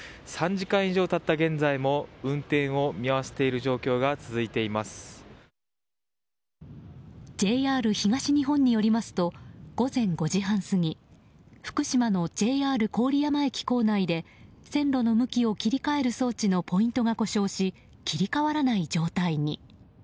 ３時間以上経った現在も運転を見合わせている状況がＪＲ東日本によりますと午前５時半過ぎ福島のＪＲ郡山駅構内で線路の向きを切り替える装置のポイントが故障し切り替わらない状態に。